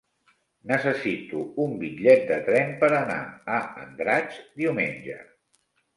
Necessito un bitllet de tren per anar a Andratx diumenge.